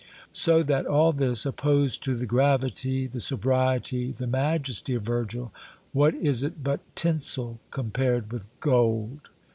So that all this, opposed to the gravity, the sobriety, the majesty of Virgil, what is it but tinsel compared with gold?"